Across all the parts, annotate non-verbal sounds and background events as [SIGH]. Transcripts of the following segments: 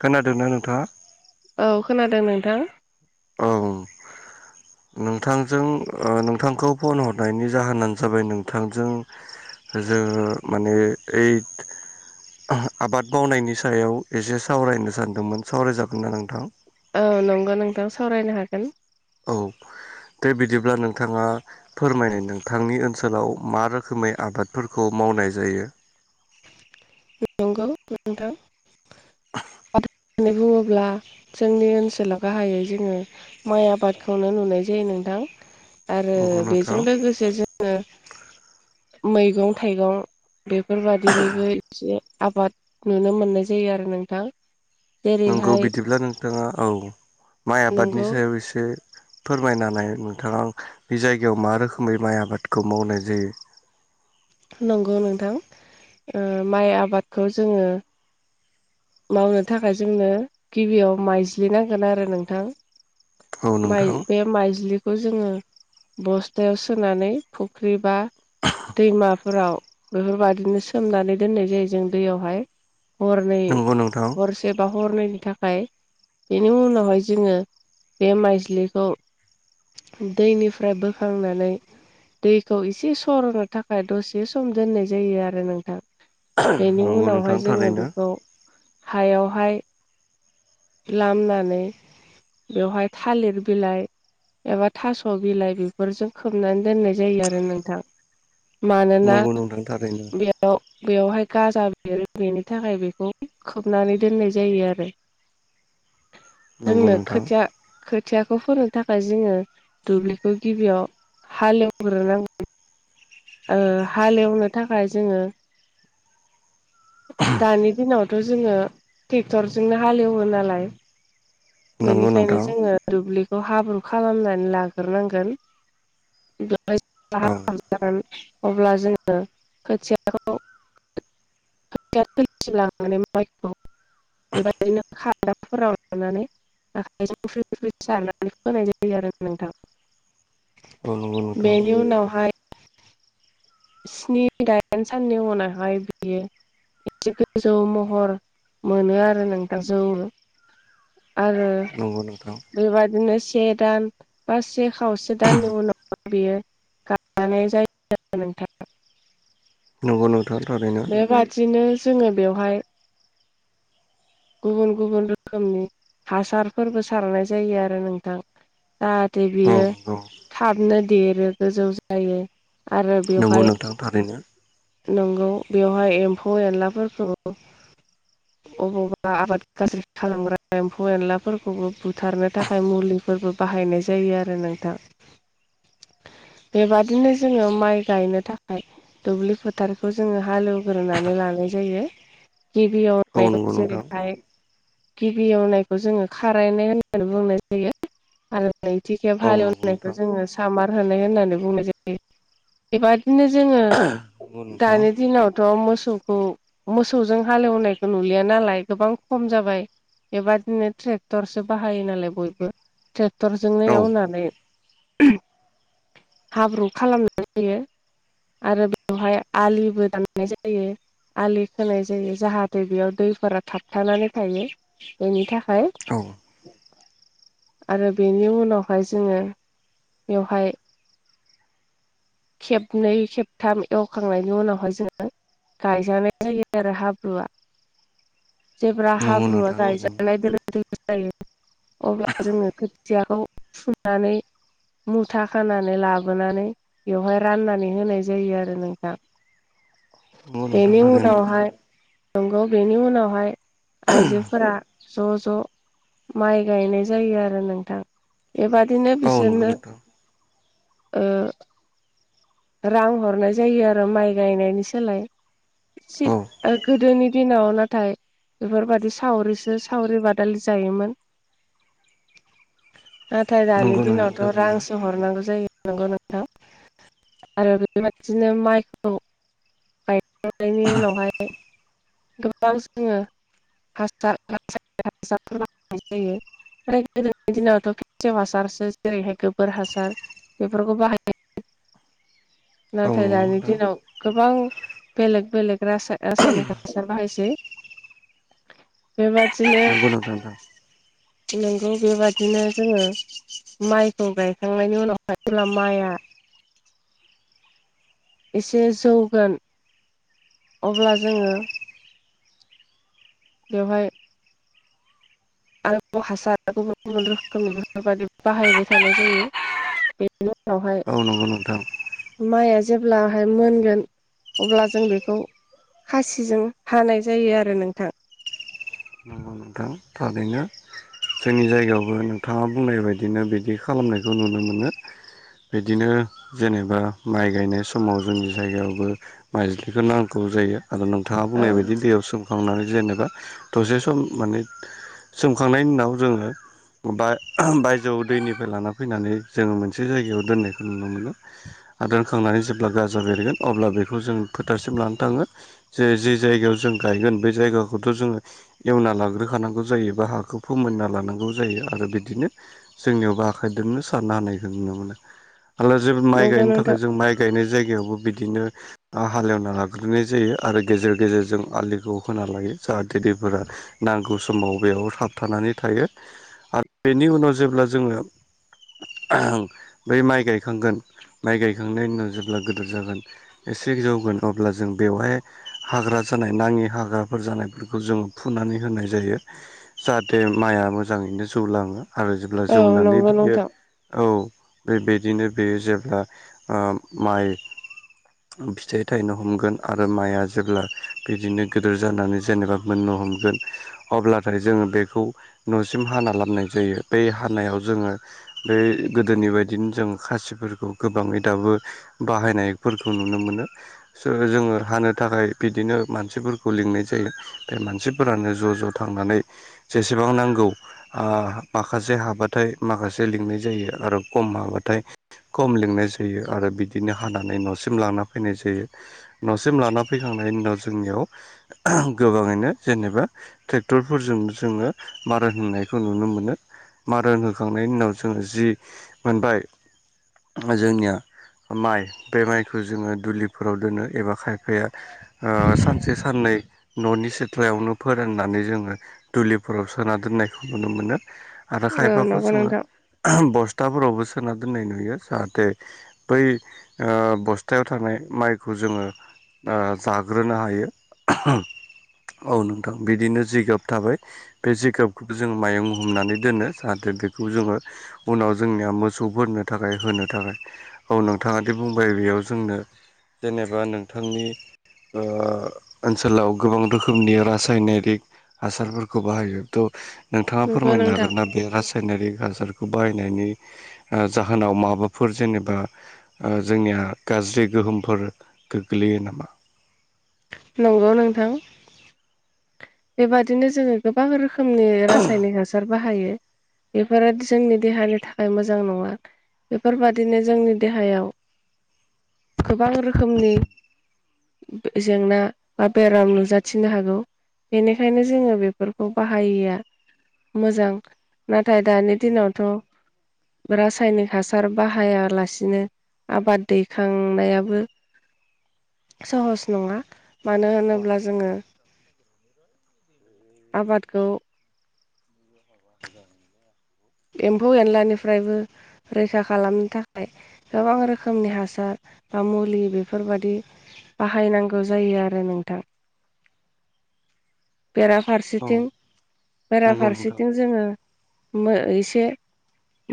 खोनादोंना नोंथाङा? औ खोनादों नोंथां। औ औ। नोंथांजों ओ नोंथांखौ फन हरनायनि जाहोनानो जाबाय नोंथांजों जोङो माने ओइद‌ आबाद मावनायनि सायाव एसे सावरायनो सानदोंमोन सावरायजागोन ना नोंथां? औ नंगौ नोंथां सावरायनो हागोन। औ। दे बिदिब्ला नोंथाङा फोरमायनाय नोंथांनि ओनसोलाव मा रोखोमै आबादफोरखौ मावनाय जायो? नंगौ नोंथां। होननानै बुङोब्ला जोंनि ओनसोलाव गाहायै जोङो माइ आबादखौनो नुनाय जायो नों थां आरो नंगौ बेजों नोंथां लोगोसे जोङो मैगं थाइगं बेफोरबादिनिबो एसे आबाद नुनो मोननाय जायो आरो नोंथां। नंगौ जेरैहाय बिदिब्ला नोंथाङा औ माइ आबादनि नंगौ सायाव एसे फोरमायनानै नोंथाङा बे जायगायाव मा रोखोमै माइ आबादखौ मावनाय जायो? नंगौ नोंथां ओ माइ आबादखौ जोङो मावनो थाखाय जोंनो गिबियाव माइज्लि नांगोन आरो नोंथां औ । माइ नोंथां बे माइज्लि बेखौ जोङो बस्थायाव सोनानै फुख्रि बा दैमाफोराव बेफोरबायदिनो सोमनानै दोननाय जायो जों दैयावहाय । हरनै नंगौ नोंथां हरसे बा हरनैनि थाखाय बाय बेनि उनावहाय जोङो बे माइस्लिखौ दैनिफ्राय बोखांनानै दैखौ इसे सर'नो थाखाय दसे सम दोननाय जायो आरो नोंथां । बेनि नंगौ नोंथां उनावहाय जोङो थारैनो बेखौ हायावहाय लामनानै बेवहाय थालिर बिलाइ एबा थास' बिलाइ बेफोरजों खोबनानै दोननाय जायो आरो नोंथां । मानोना नंगौ नोंथां थारैनो बेयाव बेयावहाय गाजा बेरो बेनि थाखाय बेखौ खोबनानै दोननाय जायो आरो । नंगौ जोंनो नोंथां खोथिया खो खोथियाखौ फोनो थाखाय जोङो दुब्लिखौ गिबियाव हालेवग्रोनांगौ । ओ हालेवनो थाखाय जोङो दानि दिनावथ' जोङो ट्रेक्टरजोंनो हालेवो नालाय । नंगौ बेनिखायनो नोंथां जोङो दुब्लिखौ हाब्रु खालामनानै लाग्रोनांगोन औ । [UNINTELLIGIBLE] अब्ला जोङो खोथियाखौ [INAUDIBLE] खोथिया थिलिसिम लांनानै मायखौ बेबायदिनो खादाफोराव लानानै आखाइजों फ्रि फ्रि सारनानै होनाय जायो आरो नोंथां औ नंगौ । नोंथां बेनि उनावहाय स्नि दाइन साननि उनावहाय बियो एसे गोजौ महर मोनो आरो नोंथां जौ आरो नंगौ नोंथां बेबायादिनो से दान बा से खावसे दाननि उनाव बियो [UNINTELLIGIBLE] जायो [UNINTELLIGIBLE] नोंथां । नंगौ नोंथां थारैनो । जोङो बेवहाय गुबुन गुबुन रोखोमनि हासारफोरबो सारनाय जायो आरो नोंथां । जाहाथे औ बियो नंगौ थाबनो देरो गोजौ जायो । आरो नंगौ बेवहाय नोंथां थारैनो नंगौ बेवहाय एम्फौ एनलाफोरखौ अबावबा बा आबाद गाज्रि खालामग्रा एम्फौ एनलाफोरखौबो बुथारनो थाखाय मुलिफोरबो बाहायनाय जायो । जायो आरो नोंथां । [INAUDIBLE] बेबादिनो जोङो माइ गायनो थाखाय दुब्लि फोथारखौ जोङो हालेवग्रोनानै ला नाय जायो गिबियाव औ नंगौ [UNINTELLIGIBLE] नोंथां जेरैहाय गिबि एवनायखौ जोङो खारायनाय होननानै बुंनाय जायो आरो नैथिखेब औ नंगौ हालेवनायखौ नोंथां जोङो सामार होनाय होननानै बुंनाय जायो बेबादिनो जोङो नंगौ नोंथां दानि दिनावथ' मोसौखौ मोसौजों हालेवनायखौ नुलिया नालाय गोबां खम जाबाय बेबादिनो ट्रेक्टरसो बाहायो नालाय बयबो । ट्रेक्टरजोंनो औ एवनानै हाब्रु खालामनाय जायो । आरो बेवहाय आलिबो दाननाय जायो । आलि खोनाय जायो जाहाथे बेयाव दैफोरा थाबथानानै थायो बेनि थाखाय औ आरो बेनि उनावहाय जोङो बेवहाय खेबनै खेबथाम एवखांनायनि उनावहाय जोङो गायजानाय जायो आरो हाब्रुआ। जेब्रा नंगौ हाब्रुआ नोंथां थारैनो गायजानाय दोलो जायो अब्ला जोङो खोथियाखौ फुनानै मुथा खानानै लाबोनानै बेवहाय राननानै होनाय जायो आरो नोंथां। नंगौ नोंथां बेनि थारैनो उनावहाय नंगौ बेनि उनावहाय आइजोफोरा ज' ज' माइ गायनाय जायो आरो नोंथां बेबादिनो औ नंगौ बिसोरनो नोंथां ओ रां हरनाय जायो आरो माइ गायनायनि सोलाय। इसि औ ओ गोदोनि दिनाव नाथाय बेफोरबायदि सावरिसो सावरि बादालि जायोमोन। [UNINTELLIGIBLE] नाथाय दानि नंगौ नोंथां दिनावथ' थारैनो रांसो हरनांगौ जायो नंगौ नोंथां। आरो बेबायदिनो माइखौ गायखांनायनि उनावहाय गोबां जोङो [INAUDIBLE] जायो। आरो गोदोनि दिनावथ' फेसेव हासारसो जेरैहाय गोबोर हासार बेफोरखौ बाहाय [UNINTELLIGIBLE] औ नाथाय नंगौ दानि नोंथां दिनाव गोबां बेलेग बेलेग रासाय-रासायनिक हासार बाहायसै। [INAUDIBLE] बेबादिनो नंगौ नोंथां नोंगौ बेबादिनो जोङो माइखौ गायखांनायनि उनावहाय जेब्ला माइआ एसे जौगोन अब्ला जोङो बेवहाय आरोबाव हासार गुबुन गुबुन रोखोमनि बेफोरबादि बाहायबाय थानाय जायो। बेनि उनावहाय औ नंगौ नोंथां। माइआ जेब्लाहाय मोनगोन अब्ला जों बेखौ खासिजों हानाय जायो आरो नोंथां। नंगौ नोंथां थारैनो। जोंनि जायगायावबो नोंथाङा बुंनाय बायदिनो बिदि खालामनायखौ नुनो मोनो। बिदिनो जेनेबा माइ गायनाय समाव जोंनि जायगायावबो माइज्लिखौ नांगौ जायो। आरो नोंथाङा औ बुंनाय बायदि दैयाव सोमखांनानै जेनेबा दसे सम माने सोमखांनायनि उनाव जोङो बा बायजोआव दैनिफ्राय लाना फैनानै जोङो मोनसे जायगायाव दोननायखौ नुनो मोनो। आ दोनखांनानै जेब्ला गाजा बेरगोन अब्ला बेखौ जों फोथारसिम लाना थाङो जे जे जायगायाव जों जों गायगोन बे जायगाखौथ' जोङो एवना लाग्रो खानांगौ जायो बा हाखौ फोमोनना लानांगौ जायो आरो बिदिनो जोंनियावबो आखाइदोंनो साननो हानाय नुनो मोनो आरो जेबो माइ नंगौ गायनो नोंथां थाखाय जों माइ गायनाय जाय जायगायावबो बिदिनो आ हालेवना लाग्रोनाय जायो आरो गेजेर गेजेरजों आलिखौ होना लायो। [UNINTELLIGIBLE] गौ समाव बेयाव थाबथानानै थायो आरो बेनि उनाव जेब्ला जोङो बै माइ गायखांगोन माइ गायखांनायनि उनाव जेब्ला गोदोर जागोन एसे जौगोन अब्ला जों बेवहाय हाग्रा जा जानाय नाङि हाग्राफोर जानायफोरखौ जों फुनानै होनाय जायो जाहाथे माइआ मोजाङैनो जौ लाङो। आरो जेब्ला औ जौनानै नंगौ बियो नोंथां औ। बेबायदिनो बेयो जेब्ला ओ माइ फिथाइ थायनो हमगोन आरो माइआ जेब्ला बिदिनो गिदिर जानानै जेनेबा मोन हमगोन अब्लाथाय जोङो बेखौ न'सिम हाना लामनाय जायो बे हानायाव जोङो बे गोदोनि बायदिनो जों खासिफोरखौ गोबाङै दाबो बाहायनायफोरखौ नुनो मोनो। जोङो हानो थाखाय बिदिनो मानसिफोरखौ लिंनाय जायो बे मानसिफोरानो ज' ज' थांनानै जेसेबां नांगौ ओ आखासे हाबाथाय माखासे लिंनाय जायो। आरो खम हाबाथाय खम लिंनाय जायो आरो बिदिनो हानानै न'सिम लांना फैनाय जायो। न'सिम लाना फैखांनायनि उनाव जोंनियाव गोबाङैनो जेनेबा ट्रेक्टरफोरजों जोङो बारा होननायखौ नुनो मोनो। मारा होखांनायनि उनाव जोङो जि मोनबाय जोंनिया माइ बे माइखौ जोङो दुलिफोराव दोनो एबा खायफाया ओ सानसे साननै नै न'नि सिथ्लायावनो फोराननानै जोङो दुलिफोराव सोना दोननायखौ नुनो मोनो। आरो औ खायफाखौ नंगौ जोङो नोंथां बस्थाफोरावबो सोना दोननाय नुयो जाहाथे बै ओ बस्थायाव थानाय माइखौ जोङो ओ जाग्रोनो हायो औ नों बिदिनो जिगाब थाबाय बे जिगाबखौ जोङो माइहुं हुंनानै दोनो जाहाथे बेखौ जोङो उनाव जोंनिया मोसौफोरनो थाखाय होनो थाखाय औ नोंथाङा दि बुंबाय बेयाव जोंनो जेनेबा नोंथांनि ओ ओनसोलाव गोबां रोखोमनि रास रासायनारिक हासारफोरखौ बाहायो थ' नोंथाङा नंगौ फोरमायनो नोंथां हागोन ना बे रासायनारि हासार सारखौ बाहायनायनि जाहोनाव माबाफोर जेनेबा जोंनि गाज्रि बे गोहोमफोर गोग्लैयो नामा? नंगौ नोंथां बेबादिनो जोङो गोबां रोखो रोखोमनि रासायनिक हासार बाहायो बेफोरो जोंनि देहानि थाखाय मोजां नङा। बेफोरबादिनो जोंनि देहायाव गोबां रोखोमनि जेंना बा बेराम नुजाथिनो हागौ बेनिखायनो जोङो बेफोरखौ बाहायिया मोजां नाथाय दानि दिनावथ' रासायनिक हासार बाहायालासिनो आबाद दैखांनायाबो सहस नङा मानो होनोब्ला जोङो आबादखौ एम्फौ एनलानिफ्रायबो रैखा खालामनो थाखाय गोबां रोखोमनि हासार बा मुलि बेफोरबादि बाहायनांगौ जायो आरो नोंथां। [INAUDIBLE] औ बेराफारसेथिं नंगौ नोंथां बेराफारसेथिं जोङो मो एसे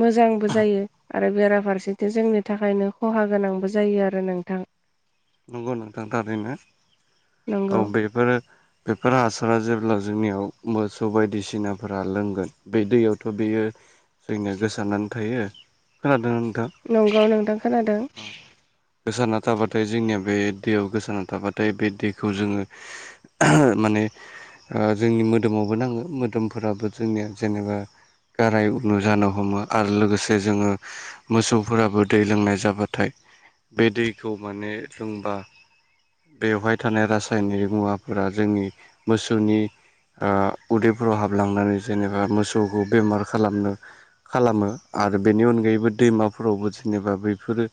मोजांबो जायो आरो बेराफारसेथिं जोंनि थाखायनो खहा गोनांबो जायो आरो नोंथां। [INAUDIBLE] नंगौ नोंथां थारैनो औ नंगौ बेफोरो बेफोर हासारा जेब्ला जोंनियाव मोसौ बायदिसिनाफोरा लोंगोन बे दैयावथ' बेयो जोंनिया गोसारनानै थायो खोनादोंना नों नंगौ नोंथां खोनादों। गोसाना थाबाथाय जोंनिया बे दैयाव गोसारारना थाबाथाय बे दैखौ जोङो माने ओ जोंनि मोदोमावबो नाङो मोदोमफोराबो जोंनिया जेनेबा गाराय नु जानो हमो आरो लोगोसे जोङो मोसौफोराबो दै लोंनाय जाबाथाय बे दैखौ माने लोंबा बेवहाय थानाय रासायनिक मुवाफोरा जोंनि मोसौनि ओ उदैफोराव हाबलांनानै जेनेबा मोसौखौ बेमार खालामनो खालामो आ आरो बेनि अनगायैबो दैमाफोरावबो जेनेबा बेफोरो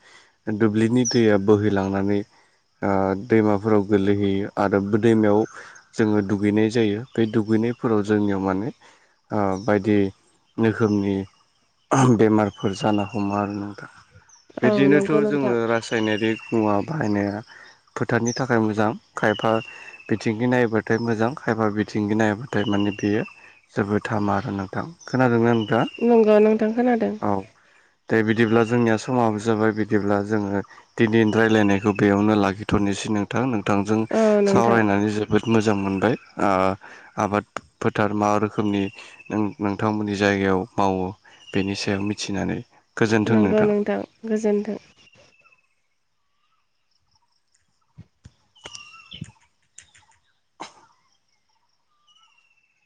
दुब्लिनि दैया बोहैलाङो मानै ओ दैमाफोराव गोलैहैयो आरो बा दैमायाव जोङो दुगैनाय जायो बे दुगैनाय निफोराव जोंनियाव माने बायदि रोखोमनि बेमारफोर जानो हमो आरो नों दा औ बिदिनोथ' नंगौ नोंथां जोङो रासायनारिक मुवा बाहायनो फोथारनि थाखाय मोजां खायफा बिथिंगि नायोबाथाय मोजां खायफा बिथिंगि नायोब्लाथाय माने बेयो जोबोद थामा आरो नोंथां खोनादोंनो थांआ नंगौ नोंथां खोनादों औ दे बिदिब्ला जोंनिया समाबो जाबाय बिदिब्ला जोङो दिनिनि राय्लायनायखौ बेयावनो लाखिथ'नोसै नोंथां नों बिथांजों औ नोंथां सावरायनानै जोबोद मोजां मोजां मोनबाय आबाद फोथार मा रोखोमनि नोंथांमोननि जायगायाव मावो बेनि सायाव मिथिनानै नंगौ नोंथां गोजोन्थों।